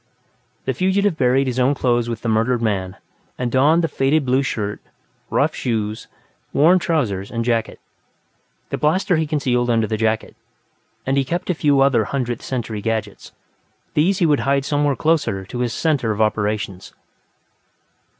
The fugitive buried his own clothes with the murdered man, and donned the faded blue shirt, rough shoes, worn trousers and jacket. The blaster he concealed under the jacket, and he kept a few other Hundredth Century gadgets; these he would hide somewhere closer to his center of operations.